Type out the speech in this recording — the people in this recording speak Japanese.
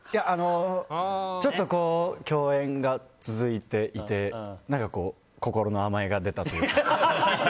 ちょっと共演が続いていて心の甘えが出たというか。